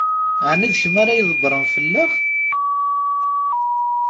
Ɛni d kemm ara ydebbṛen fell-aɣ?